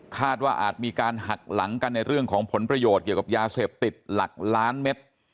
ว่าอาจมีการหักหลังกันในเรื่องของผลประโยชน์เกี่ยวกับยาเสพติดหลักล้านเม็ด